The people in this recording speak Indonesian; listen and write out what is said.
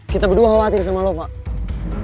kita berdua khawatir sama lo fak